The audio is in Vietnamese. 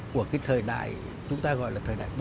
của cái thời đại chúng ta gọi là thời đại bốn